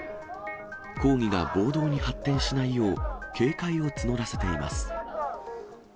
抗議が暴動に発展しないよう、警戒を募らせています。